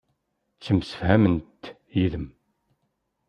Ttemsefhament yid-m.